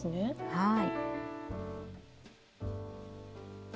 はい。